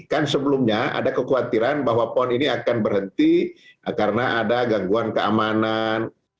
kan sebelumnya ada kekhawatiran bahwa pon ini akan berhenti karena ada gangguan keamanan